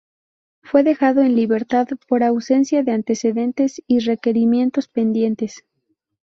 Fue dejado en libertad por ausencia de antecedentes y requerimientos pendientes.